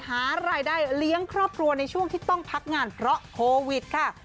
หารายได้เลี้ยงครอบครัวในช่วงที่ต้องพักงานเพราะโควิดค่ะ